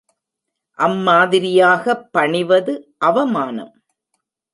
அம்மாதிரியாகப் பணிவது அவமானம்.